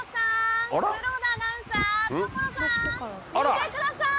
見てください！